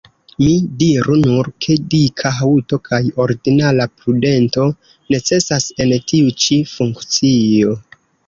Mi diru nur, ke dika haŭto kaj ordinara prudento necesas en tiu ĉi funkcio.